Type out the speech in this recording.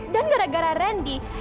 dan gara gara randi